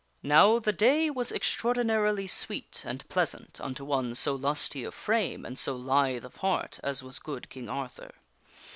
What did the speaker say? NOW, the day was extraordinarily sweet and pleasant unto one so lusty of frame and so lithe of heart as was good King Arthur.